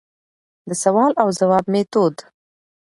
دسوال او ځواب ميتود: